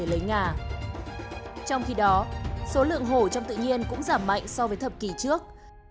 trong khi đó số lượng hồ trong tự nhiên cũng giảm mạnh so với thập kỷ trước